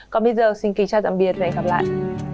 còn bây giờ xin kính chào tạm biệt và hẹn gặp lại